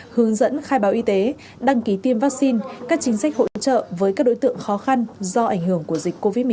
hướng dẫn khai báo y tế đăng ký tiêm vaccine các chính sách hỗ trợ với các đối tượng khó khăn do ảnh hưởng của dịch covid một mươi chín